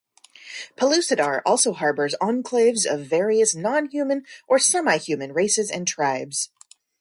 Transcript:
Pellucidar also harbors enclaves of various non-human or semi-human races and tribes.